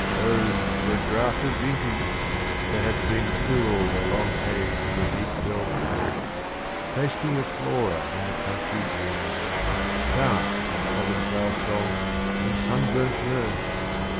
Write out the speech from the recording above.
10 O for a draught of vintage, that hath been Cooled a long age in the deep delvèd earth, Tasting of Flora and the country green, Dance, and Provençal song, and sun burnt mirth!